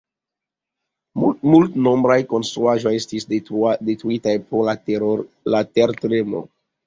Multnombraj konstruaĵoj estis detruitaj pro la tertremo.